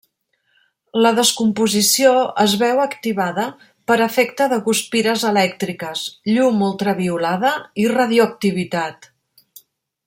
La descomposició es veu activada per efecte de guspires elèctriques, llum ultraviolada i radioactivitat.